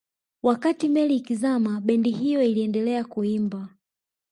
wakati meli ikizama bendi hiyo iliendelea kuimba